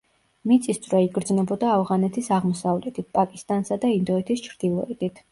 მიწისძვრა იგრძნობოდა ავღანეთის აღმოსავლეთით, პაკისტანსა და ინდოეთის ჩრდილოეთით.